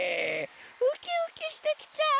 ウキウキしてきちゃう！